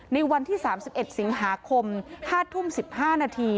ในวันที่๓๑สิงหาคม๕ทุ่ม๑๕นาที